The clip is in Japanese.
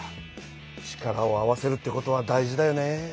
力を合わせるってことは大事だよね。